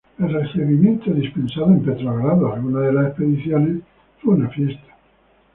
El recibimiento dispensado en Leningrado a alguna de las expediciones fue una fiesta.